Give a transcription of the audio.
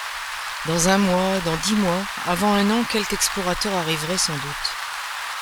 Dans un mois, dans dix mois, avant un an, quelque explorateur arriverait sans doute. ..